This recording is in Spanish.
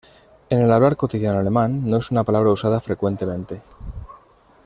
En el hablar cotidiano alemán, no es una palabra usada frecuentemente.